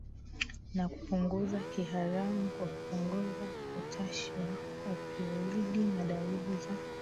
na kupunguza kiharamu kwa kupunguza utashi wa opioidi na dalili za